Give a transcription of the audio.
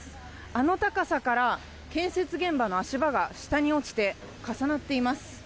あの高さから建設現場の足場が下に落ちて重なっています。